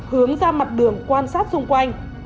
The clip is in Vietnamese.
hướng ra mặt đường quan sát xung quanh